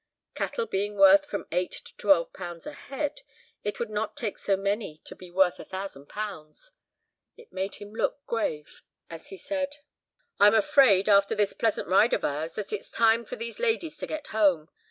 Cattle being worth from eight to twelve pounds a head, it would not take so many to be worth a thousand pounds. It made him look grave, as he said— "I'm afraid, after this pleasant ride of ours, that it's time for these ladies to get home.